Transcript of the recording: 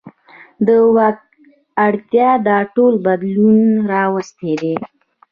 د واک اړتیا دا ټول بدلون راوستی دی.